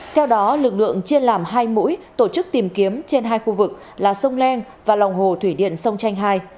theo đó lực lượng chia làm hai mũi tổ chức tìm kiếm trên hai khu vực là sông leng và lòng hồ thủy điện sông tranh hai